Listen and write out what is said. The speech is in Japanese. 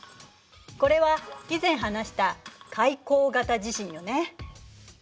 これは以前話した海溝型地震よね。